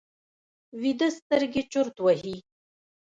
ویده سترګې چورت وهي